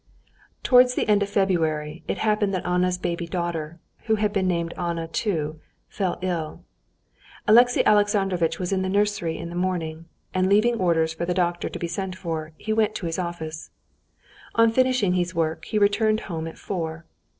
Towards the end of February it happened that Anna's baby daughter, who had been named Anna too, fell ill. Alexey Alexandrovitch was in the nursery in the morning, and leaving orders for the doctor to be sent for, he went to his office. On finishing his work, he returned home at four.